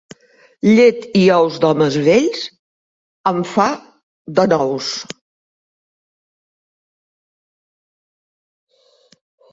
Llet i ous d'homes vells en fa de nous.